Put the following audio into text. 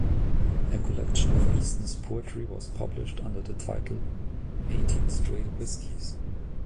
A collection of Easton's poetry was published under the title "Eighteen Straight Whiskeys".